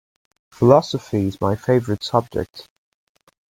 Philosophy is my favorite subject.